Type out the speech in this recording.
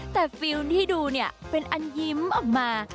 แต่ฟิลที่ดูเนี่ยเป็นอันยิ้มออกมา